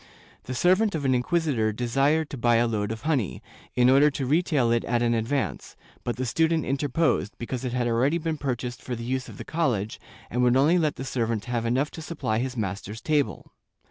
The servant of an inquisitor desired to buy a load of honey, in order to retail it at an advance, but the student interposed, because it had already been purchased for the use of the college, and would only let the servant have enough to supply his master's table.